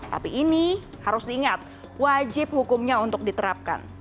tapi ini harus diingat wajib hukumnya untuk diterapkan